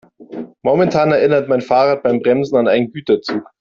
Momentan erinnert mein Fahrrad beim Bremsen an einen Güterzug.